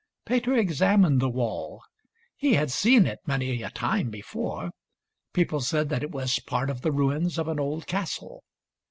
Peter examined the wall. He had seen it many a time before. People said that it was part of the ruins of an old castle.